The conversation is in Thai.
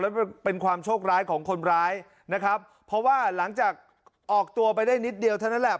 แล้วมันเป็นความโชคร้ายของคนร้ายนะครับเพราะว่าหลังจากออกตัวไปได้นิดเดียวเท่านั้นแหละ